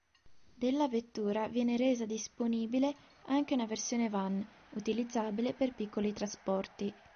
Della vettura viene resa disponibile anche una versione Van, utilizzabile per piccoli trasporti.